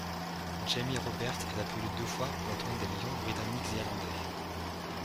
Jamie Roberts est appelé deux fois pour la tournée des Lions britanniques et irlandais.